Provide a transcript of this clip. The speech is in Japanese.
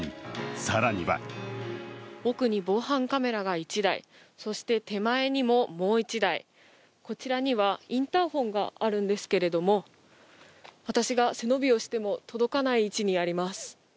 更には奥に防犯カメラが１台、そして手前にももう１台、こちらにはインターホンがあるんですけれども、私が背伸びをしても届かない位置にあります。